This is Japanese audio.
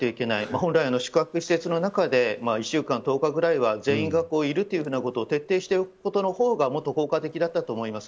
本来、宿泊施設の中で１週間、１０日ぐらいは全員がいるということを徹底していることのほうがもっと効果的だったと思います。